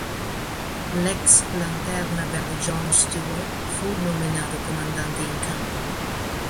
L'ex Lanterna Verde John Stewart fu nominato comandante in campo.